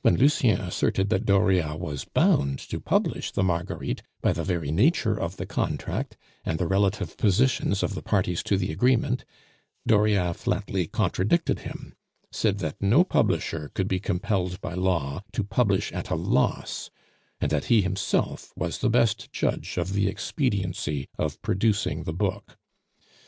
When Lucien asserted that Dauriat was bound to publish the Marguerites by the very nature of the contract, and the relative positions of the parties to the agreement, Dauriat flatly contradicted him, said that no publisher could be compelled by law to publish at a loss, and that he himself was the best judge of the expediency of producing the book.